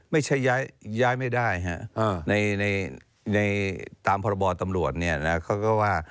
ไม่ใช้ย้ายไม่ได้ตามพอบทศาลเขาครับว่า